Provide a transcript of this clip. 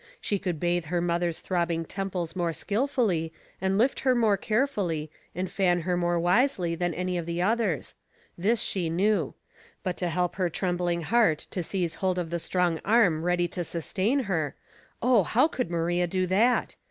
She could bathe her mother's throbbing temples more skillfully, and lift her more carefully, and fan her more wisely than any of the others. This she knew; but to help her trembling heart to seize hold of the strong Arm ready to sustain her. Ah, how could Maria do that?